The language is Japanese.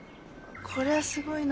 これはすごいな。